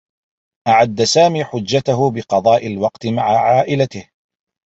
أعدّ سامي حجّته بقضاء الوقت مع عائلته.